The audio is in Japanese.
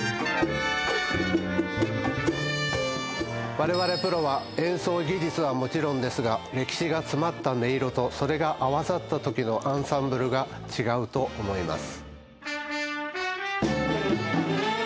我々プロは演奏技術はもちろんですが歴史が詰まった音色とそれが合わさったときのアンサンブルが違うと思います